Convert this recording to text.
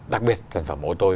đặc biệt sản phẩm ô tô